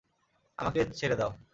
আমাকে ছেড়ে দাও।